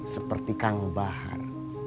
seperti kang bahar